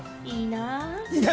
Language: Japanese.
いいな。